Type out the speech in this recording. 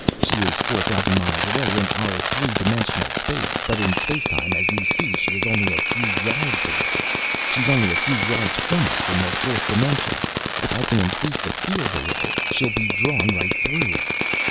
She is four thousand miles away in our three dimensional space, but in space time, as you see, she is only a few yards away. She is only a few yards from us in the fourth dimension. If I can increase the field a little, she will be drawn right through!"